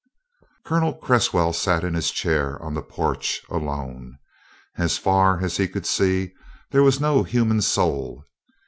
Colonel Cresswell sat in his chair on the porch, alone. As far as he could see, there was no human soul.